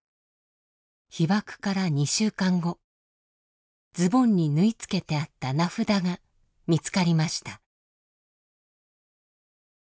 被爆から２週間後ズボンに縫い付けてあった名札が見つかりました。